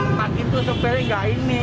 setang empat itu sopirnya nggak ini